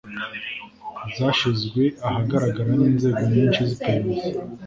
zashizwe ahagaragara n'inzego nyinshi z'iperereza,